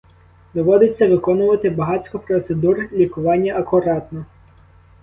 Доводиться виконувати багацько процедур лікування акуратно.